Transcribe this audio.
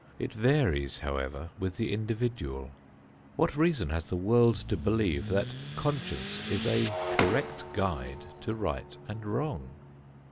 It varies, however, with the individual. What reason has the world to believe that conscience is a correct guide to right and wrong?